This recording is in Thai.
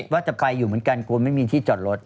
ว่าจะไปอยู่เหมือนกันกลัวไม่มีที่จอดรถ